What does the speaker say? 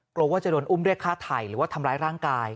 กลัวว่าจะโดนอุ้มเรียกฆ่าไถ่หรือว่าทำร้ายร่างกาย